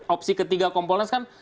opsi ketiga kompolnas kan